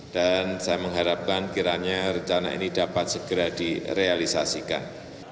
dan saya mengharapkan kiranya rencana ini dapat segera direalisasikan